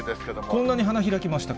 こんなに花開きましたか。